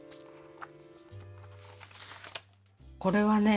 これはね